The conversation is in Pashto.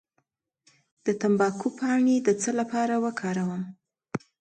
د تمباکو پاڼې د څه لپاره وکاروم؟